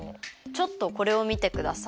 ちょっとこれを見てください。